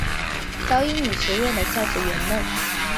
早乙女学园的教职员们。